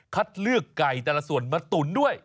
เลือกไก่แต่ละส่วนมาตุ๋นด้วย